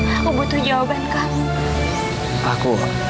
aku butuh jawabannya kak